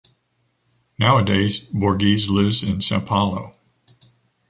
Nowadays, Borges lives in São Paulo.